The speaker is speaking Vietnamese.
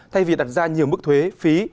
thay vì đặt ra nhiều mức thuế phí